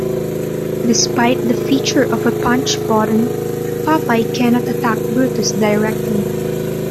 Despite the feature of a punch button, Popeye cannot attack Brutus directly.